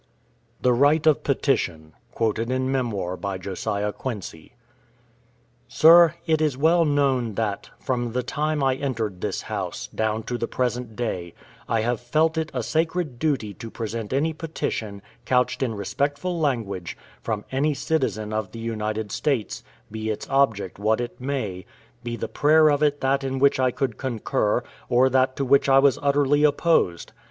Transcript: THE RIGHT OF PETITION Quoted in Memoir by Josiah Quincy. Sir, it is ... well known that, from the time I entered this house, down to the present day, I have felt it a sacred duty to present any petition, couched in respectful language, from any citizen of the United States, be its object what it may, be the prayer of it that in which I could concur, or that to which I was utterly opposed.